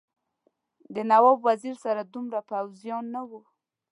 د نواب وزیر سره دومره پوځیان نه وو.